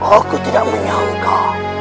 aku tidak menyangka